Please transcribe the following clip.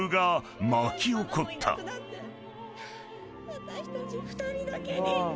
「私たち２人だけに！」